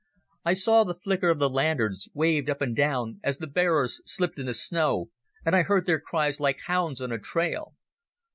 I saw the flicker of the lanterns, waved up and down as the bearers slipped in the snow, and I heard their cries like hounds on a trail.